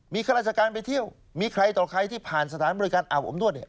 มีข้าราชการไปเที่ยวมีใครต่อใครที่ผ่านสถานบริการอาบอบนวดเนี่ย